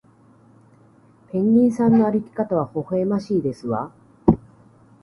ペンギンさんの歩き方はほほえましいですわ